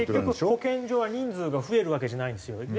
結局保健所は人数が増えるわけじゃないんですよ。